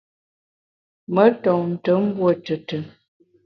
Me ntonte mbuo tùtù.